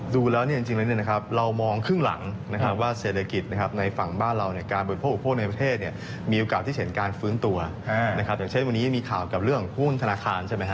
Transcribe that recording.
ดูแล้วเนี่ยจริงแล้วเรามองครึ่งหลังนะครับว่าเศรษฐกิจนะครับในฝั่งบ้านเราเนี่ยการบริโภคอุปโภคในประเทศเนี่ยมีโอกาสที่เห็นการฟื้นตัวนะครับอย่างเช่นวันนี้มีข่าวกับเรื่องหุ้นธนาคารใช่ไหมฮ